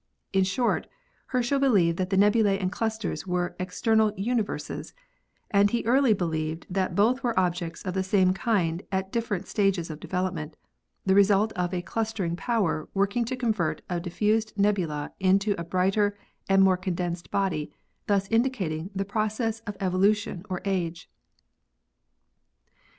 In short, Herschel be lieved that nebulae and clusters were external "universes," and he early believed that both were objects of the same kind at different stages of development, the result of a "clustering power" working to convert a diffused nebula into a brighter and more condensed body, thus indicating the process of evolution or age.